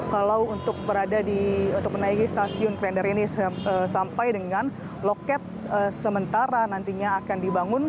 kalau untuk menaiki stasiun klendar ini sampai dengan loket sementara nantinya akan dibangun